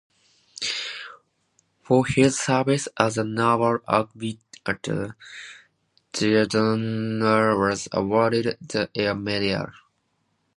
For his service as a naval aviator, Theodore was awarded the Air Medal.